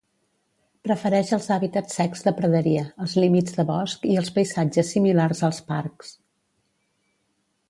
Prefereix els hàbitats secs de praderia, els límits de bosc i els paisatges similars als parcs.